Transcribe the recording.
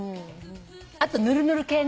あとぬるぬる系ね。